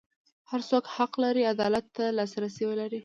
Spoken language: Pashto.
هر څوک حق لري عدالت ته لاسرسی ولري.